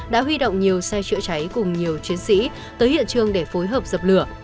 đã huy động nhiều xe chữa cháy cùng nhiều chiến sĩ tới hiện trường để phối hợp dập lửa